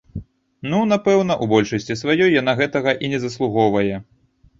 Ну, напэўна, у большасці сваёй яна гэтага і не заслугоўвае.